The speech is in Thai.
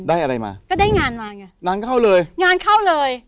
ได้อะไรมาก็ได้งานมาไงงานเข้าเลยงานเข้าเลย